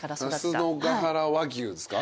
那須野ヶ原和牛ですか。